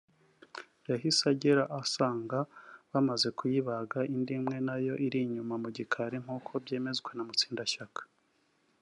yahise ahagera asanga bamaze kuyibaga indi imwe nayo iri inyuma mu gikari; nk’uko byemezwa na Mutsindashyaka